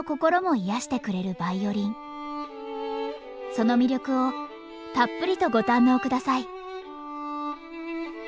その魅力をたっぷりとご堪能下さい。